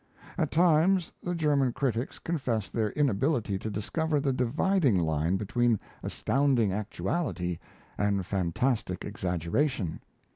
At times the German critics confessed their inability to discover the dividing line between astounding actuality and fantastic exaggeration.